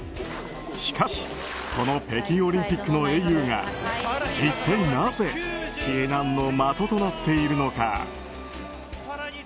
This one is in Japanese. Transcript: しかし、この北京オリンピックの英雄が一体なぜ非難の的となっているのか。